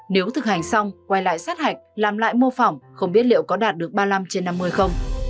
nếu thực hành xong quay lại sát hạch làm lại mô phỏng không biết liệu có đạt được ba mươi năm trên năm mươi không